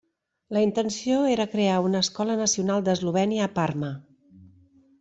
La intenció era crear una escola nacional d'Eslovènia a Parma.